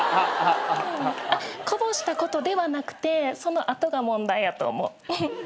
こぼしたことではなくてその後が問題やと思う。